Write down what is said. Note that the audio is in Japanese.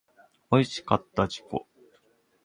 おいしかった自己